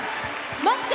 待って！